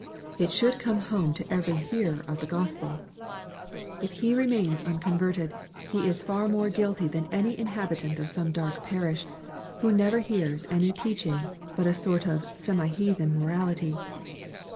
It should come home to every hearer of the Gospel. If he remains unconverted LUKE^ CHAP. XIL 98 le is far more guilty tbau the inhabitant of some dark parish, who never hears any teaching but a sort of semi heathen morality.